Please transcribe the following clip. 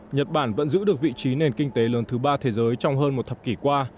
nhật bản vẫn giữ được vị trí nền kinh tế lớn thứ ba thế giới trong hơn một thập kỷ qua